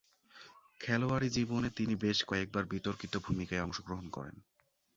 খেলোয়াড়ী জীবনে তিনি বেশ কয়েকবার বিতর্কিত ভূমিকায় অংশগ্রহণ করেন।